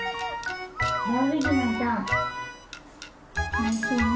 おいしいね。